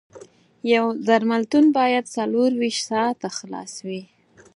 یو درملتون باید څلور ویشت ساعته خلاص وي